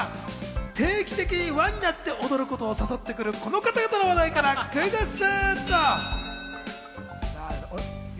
定期的にＷＡになっておどることを誘ってくるこの方々の話題からクイズッス！